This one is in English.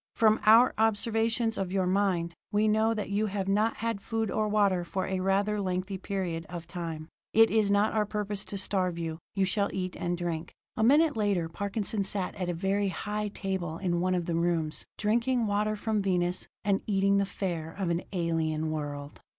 "From our observations of your mind, we know that you have not had food or water for a rather lengthy period of time. It is not our purpose to starve you: you shall eat and drink." A minute later Parkinson sat at a very high table in one of the rooms, drinking water from Venus, and eating the fare of an alien world.